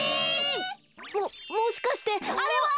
ももしかしてあれは！